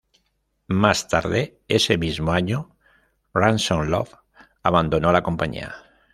Más tarde ese mismo año, Ransom Love abandonó la compañía.